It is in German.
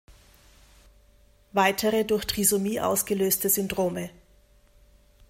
Weitere durch Trisomie ausgelöste Syndrome